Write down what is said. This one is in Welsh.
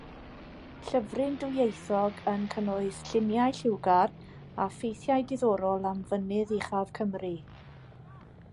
Llyfryn dwyieithog yn cynnwys lluniau lliwgar a ffeithiau diddorol am fynydd uchaf Cymru.